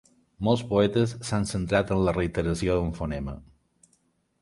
Molts poetes s'han centrat en la reiteració d'un fonema.